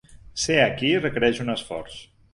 Ser aquí requereix un esforç.